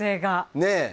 ねえ。